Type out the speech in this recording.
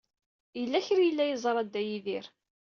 Yella kra ay yella yeẓra Dda Yidir.